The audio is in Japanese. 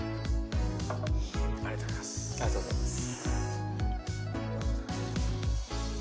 ありがとうございますありがとうございます